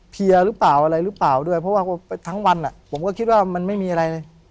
หรือเปล่าอะไรหรือเปล่าด้วยเพราะว่าทั้งวันผมก็คิดว่ามันไม่มีอะไรเลย